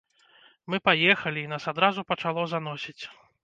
Мы паехалі, і нас адразу пачало заносіць.